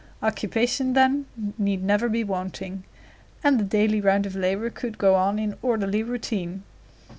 Occupation, then, need never be wanting, and the daily round of labor could go on in orderly routine.